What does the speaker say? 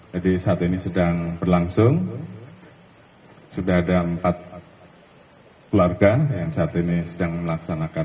jadi saat ini sedang berlangsung sudah ada empat keluarga yang saat ini sedang melaksanakan